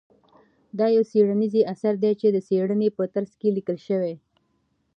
دا يو څېړنيز اثر دى چې د څېړنې په ترڅ کې ليکل شوى.